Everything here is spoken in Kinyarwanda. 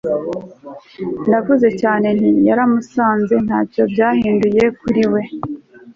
navuze cyane nti yaramusanze. ntacyo byahinduye kuri we